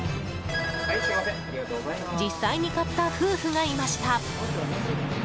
実際に買った夫婦がいました。